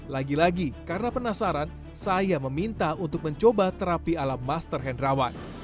lagi lagi karena penasaran saya meminta untuk mencoba terapi ala master hendrawan